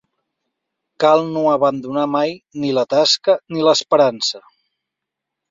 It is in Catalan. Cal no abandonar mai ni la tasca ni l'esperança.